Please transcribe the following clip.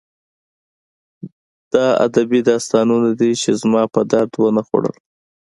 دا ادبي داستانونه دي چې زما په درد ونه خوړل